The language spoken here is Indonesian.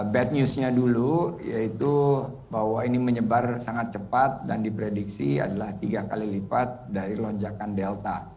bad news nya dulu yaitu bahwa ini menyebar sangat cepat dan diprediksi adalah tiga kali lipat dari lonjakan delta